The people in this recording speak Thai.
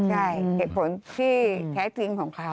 ใช่เป็นเหตุผลที่แพ้จริงของค่าว